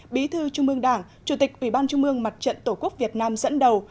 bí thư trung ương đảng chủ tịch ủy ban trung mương mặt trận tổ quốc việt nam dẫn đầu